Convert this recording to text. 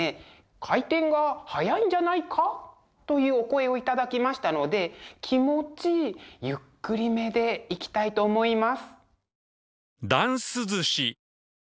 「回転が速いんじゃないか？」というお声を頂きましたので気持ちゆっくりめでいきたいと思います！